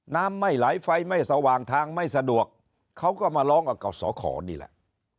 น้ำไม่ไหลไฟไม่สว่างทางไม่สะดวกเขาก็มาร้องกับสอขอนี่แหละ